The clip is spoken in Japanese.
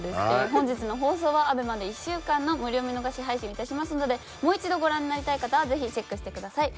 本日の放送はアベマで１週間の無料見逃し配信をいたしますのでもう一度ご覧になりたい方はぜひチェックしてください。